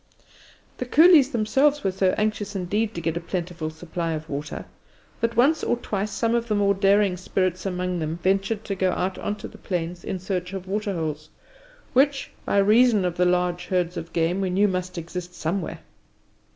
The coolies themselves were so anxious, indeed, to get a plentiful supply of water, that once or twice some of the more daring spirits among them ventured to go out on to the plains in search of waterholes, which, by reason of the large herds of game, we knew must exist somewhere.